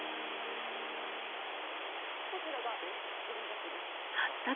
こちらがごみ箱です。